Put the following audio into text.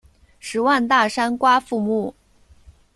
十万大山瓜馥木